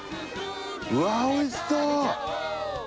うわおいしそう！